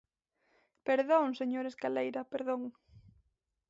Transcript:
Perdón, señor Escaleira, perdón.